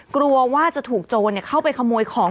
กลัวว่าจะถูกโจรเข้าไปขโมยของ